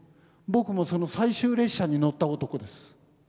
僕もその最終列車に乗った男です。